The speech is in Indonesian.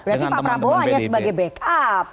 berarti pak prabowo hanya sebagai backup